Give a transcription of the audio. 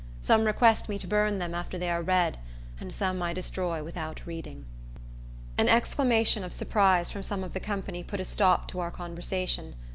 Some request me to burn them after they are read, and some I destroy without reading." An exclamation of surprise from some of the company put a stop to our conversation.